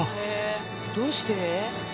どうして？